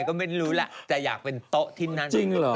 ก็ไม่รู้แหละจะอยากเป็นโต๊ะที่นั่นจริงเหรออืออออ